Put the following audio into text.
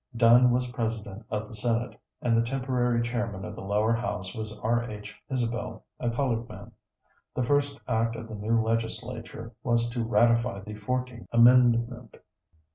Dunn was President of the Senate, and the temporary chairman of the lower house was R. H. Isabelle, a colored man. The first act of the new legislature was to ratify the Fourteenth Amendment.